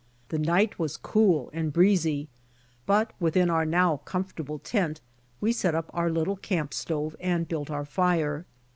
The night was cool and breezy, but within our now comfortable tent, we set up our little camp stove and built our fire.